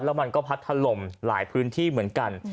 แล้วมันก็พัดถล่มหลายพื้นที่เหมือนกัน